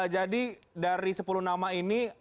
jadi dari sepuluh nama ini